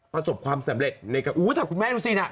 ประสบความสำเร็จเลยกับอุ้ยถ้าคุณแม่ดูสิน่ะ